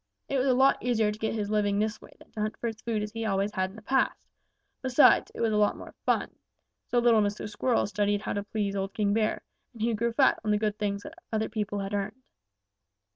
It was a lot easier to get his living this way than to hunt for his food as he always had in the past. Besides, it was a lot more fun. So little Mr. Squirrel studied how to please old King Bear, and he grew fat on the good things which other people had earned.